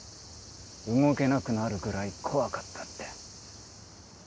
動けなくなるくらい怖かった」って。